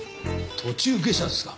途中下車ですか？